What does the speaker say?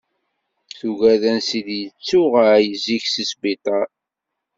Tuggad ansi d-yettuɣal zik si sbiṭar.